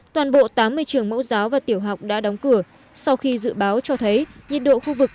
toàn bộ tám mươi trường mẫu giáo và tiểu học đã đóng cửa sau khi dự báo cho thấy nhiệt độ khu vực